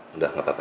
udah gak apa apa